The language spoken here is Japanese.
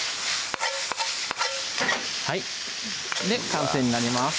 はい完成になります